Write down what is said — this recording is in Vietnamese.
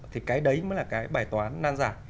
thì cái đấy mới là cái bài toán nan giải